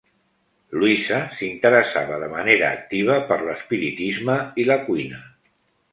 Louisa s'interessava de manera activa per l'espiritisme i la cuina.